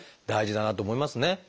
大事だなと思いますね。